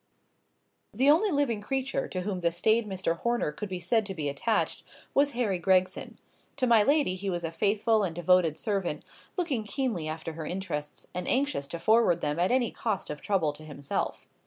The only living creature to whom the staid Mr. Horner could be said to be attached, was Harry Gregson. To my lady he was a faithful and devoted servant, looking keenly after her interests, and anxious to forward them at any cost of trouble to himself.